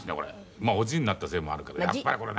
まあおじいになったせいもあるけどやっぱりこれね。